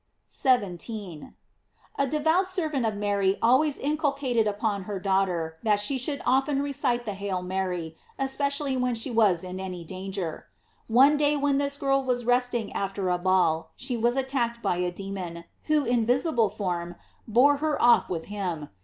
f 17.— A devout servant of Mary always incul cated it upon her daughter that she should often recite the "Hail Mary," especially when she was in any danger. One day when this girl was rest ing after a ball, she was attacked by a demon, who in a visible form, bore her off with him.